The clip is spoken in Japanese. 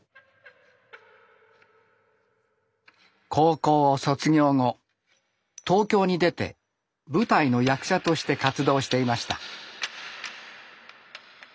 高校を卒業後東京に出て舞台の役者として活動していました。